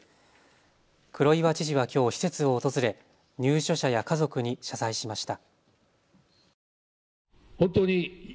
黒岩知事はきょう施設を訪れ入所者や家族に謝罪しました。